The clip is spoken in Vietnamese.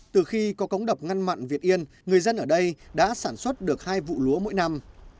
từ khi có cống đập ngăn mặn việt yên người dân ở đây đã sản xuất được hai vụ lúa mỗi năm